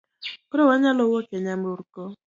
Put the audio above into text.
Koro wanyalo wuok e nyamburko.